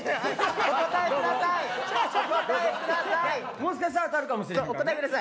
もしかしたら当たるかもしれへんからね。